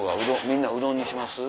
みんなうどんにします？